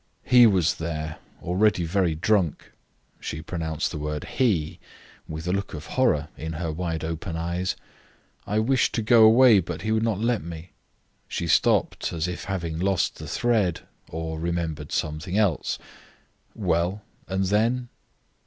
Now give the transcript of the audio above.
He was there, already very drunk." She pronounced the word he with a look of horror in her wide open eyes. "I wished to go away, but he would not let me." She stopped, as if having lost the thread, or remembered some thing else. "Well, and then?"